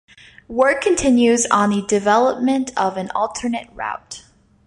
Work continues on the development of an alternate route.